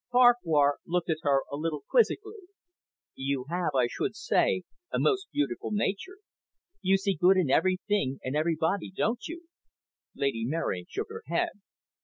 Farquhar looked at her a little quizzically. "You have, I should say, a most beautiful nature; you see good in everything and everybody, don't you?" Lady Mary shook her head.